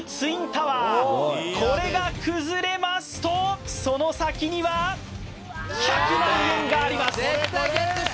これが崩れますとその先には１００万円があります！